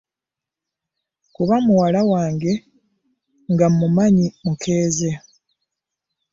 Kuba muwala wange nga mmumanyi mukeeze.